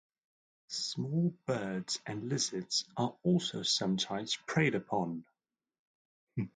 Small birds and lizards are also sometimes preyed upon.